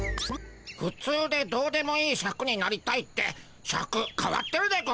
ふつうでどうでもいいシャクになりたいってシャクかわってるでゴンスね。